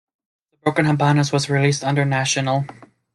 "The Broken Habanas" was released under National.